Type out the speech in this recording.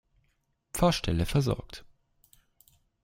Pfarrstelle versorgt.